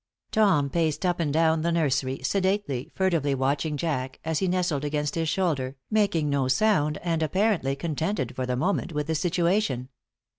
Tom paced up and down the nursery, sedately, furtively watching Jack, as he nestled against his shoulder, making no sound and apparently contented for the moment with the situation.